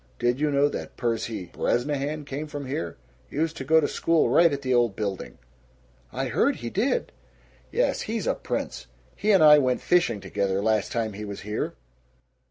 Did you know that Percy Bresnahan came from here? Used to go to school right at the old building!" "I heard he did." "Yes. He's a prince. He and I went fishing together, last time he was here."